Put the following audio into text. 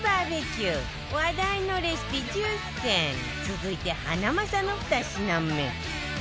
続いてハナマサの２品目